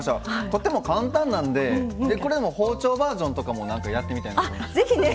とっても簡単なんでこれの包丁バージョンとかもやってみたいですね。